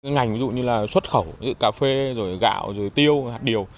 ngành ví dụ như là xuất khẩu giữa cà phê rồi gạo rồi tiêu hạt điều